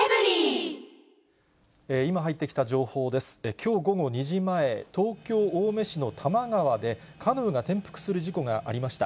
きょう午後２時前、東京・青梅市の多摩川で、カヌーが転覆する事故がありました。